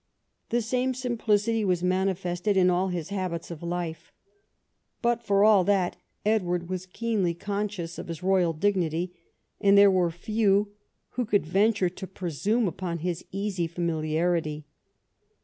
The same simplicity was manifested in all his habits of life ; but for all that Edward was keenly conscious of his royal dignity, and there were few who could venture to presume upon his easy familiarity.